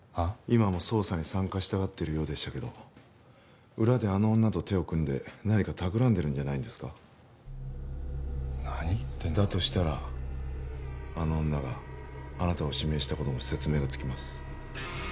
今も捜査に参加したがってるようでしたけど裏であの女と手を組んで何か企んでるんじゃないんですか何言ってだとしたらあの女があなたを指名したことも説明がつきます